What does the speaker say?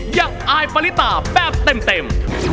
อยากอายฟันลิตาแปบเต็ม